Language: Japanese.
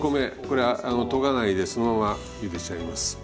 これはとがないでそのままゆでちゃいます。